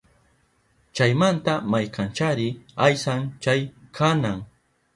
Chaymanta maykanchari aysan chay qanan